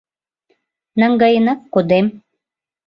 — Наҥгаенак кодем.